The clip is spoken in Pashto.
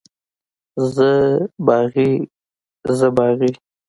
زه باغي، زه باغي.